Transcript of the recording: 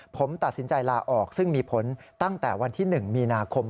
ผมตัดสินใจลาออกซึ่งมีผลตั้งแต่วันที่๑มีนาคม